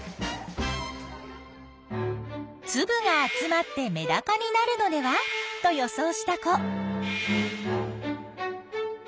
つぶが集まってメダカになるのではと予想した子。